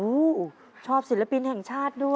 โอ้โหชอบศิลปินแห่งชาติด้วย